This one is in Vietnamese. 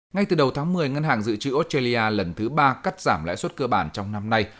ngay từ đầu tháng một mươi ngân hàng dự trữ australia lần thứ ba cắt giảm lãi suất cơ bản trong năm nay